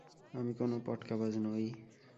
আমি কোনো পটকাবাজ নই!